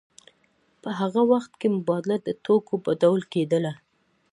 په هغه وخت کې مبادله د توکو په ډول کېدله